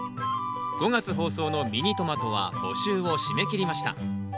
５月放送の「ミニトマト」は募集を締め切りました。